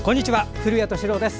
古谷敏郎です。